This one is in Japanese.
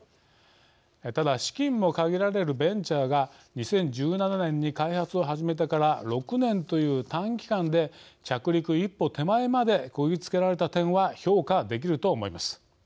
ただ資金も限られるベンチャーが２０１７年に開発を始めてから６年という短期間で着陸一歩手前までこぎつけられた点は評価できると思います。